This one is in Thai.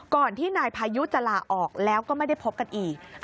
ก่อนที่นายพายุจะลาออกแล้วก็ไม่ได้พบกันอีก